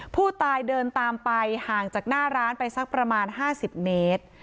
ผู้ตายเดินตามไปห่างจากหน้าร้านไปสักประมาณ๕๐เมตร